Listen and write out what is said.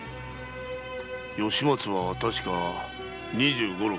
吉松は確か二十五六。